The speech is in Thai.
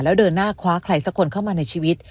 แล้วเดินหน้าคว้าใครสักคนเข้ามาในชีวิต